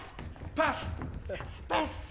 パス！